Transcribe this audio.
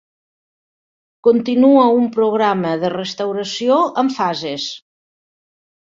Continua un programa de restauració en fases.